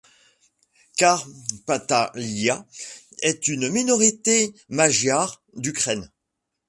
Karpatalya est une Minorité magyare d'Ukraine.